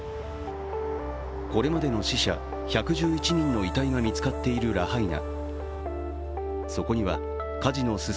これまでの死者１１１人の遺体が見つかっているラハイナ。